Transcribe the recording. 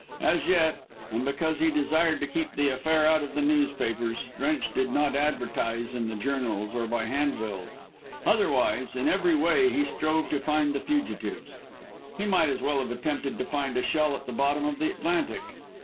As yet, and because he desired to keep the affair out of the newspapers, Drench did not advertise in the journals, or by handbills. Otherwise, in every way he strove to find the fugitives. He might as well have attempted to find a shell at the bottom of the Atlantic.